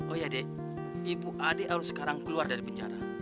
oh iya dik ibu adik aul sekarang keluar dari penjara